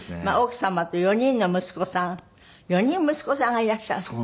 まあ奥様と４人の息子さん４人息子さんがいらっしゃる？